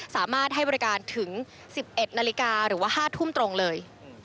สามารถให้บริการถึง๑๑นาฬิกาหรือว่า๕ทุ่มตรงเลย